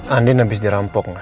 andin abis dirampok gak